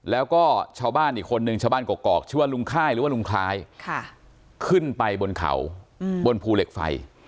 แล้วก็ชาวบ้านอีกคนนึงชาวบ้านกรอกชื่อว่าลุงค่ายหรือว่าลุงคล้ายขึ้นไปบนเขาบนภูเหล็กไฟ